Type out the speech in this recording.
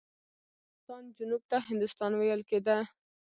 د افغانستان جنوب ته هندوستان ویل کېده.